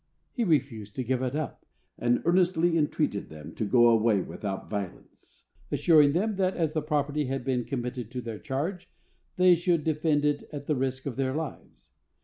He refused to give it up, and earnestly entreated them to go away without violence, assuring them that, as the property had been committed to their charge, they should defend it at the risk of their lives.